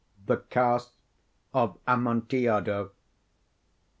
THE CASK OF AMONTILLADO.